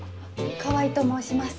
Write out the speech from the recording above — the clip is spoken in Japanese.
川合と申します。